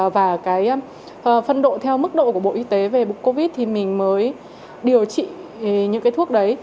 và cái phân độ theo mức độ của bộ y tế về covid thì mình mới điều trị những cái thuốc đấy